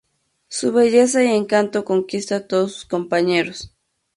Su belleza y encanto conquista a todos sus compañeros.